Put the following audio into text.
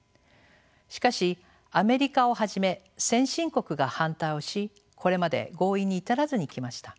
しかしアメリカをはじめ先進国が反対をしこれまで合意に至らずにきました。